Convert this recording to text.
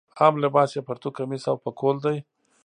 عام لباس یې پرتوګ کمیس او پکول دی.